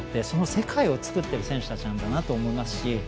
その世界を作ってる選手たちなんだなと思いますし